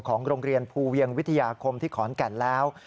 ของโรงเรียนภูเวียงวิทยาคมที่ขอนแก่นแล้ว